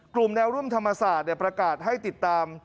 กลุ่มแนวร่วมธรรมศาสตร์ประกาศให้ติดตาม